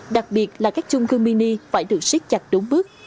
đặc biệt là các trung cư mini phải được xích chặt đúng bước